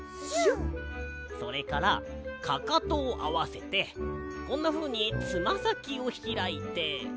それからかかとをあわせてこんなふうにつまさきをひらいて。